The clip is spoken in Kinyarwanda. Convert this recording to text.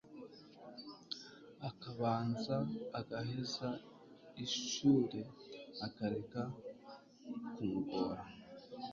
akabanza agaheza ishure akareka kumugora